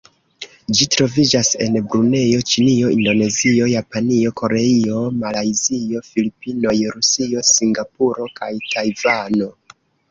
Ĝi troviĝas en Brunejo, Ĉinio, Indonezio, Japanio, Koreio, Malajzio, Filipinoj, Rusio, Singapuro kaj Tajvano.